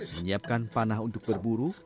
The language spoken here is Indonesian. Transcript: menyiapkan panah untuk berburu